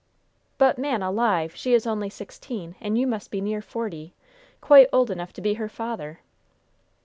"But, man alive! she is only sixteen, and you must be near forty! Quite old enough to be her father!"